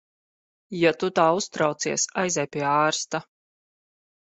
Ja tu tā uztraucies, aizej pie ārsta.